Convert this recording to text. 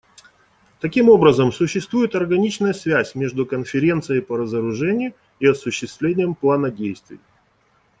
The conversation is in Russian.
Таким образом, существует органичная связь между Конференцией по разоружению и осуществлением плана действий.